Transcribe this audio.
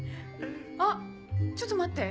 あっちょっと待って。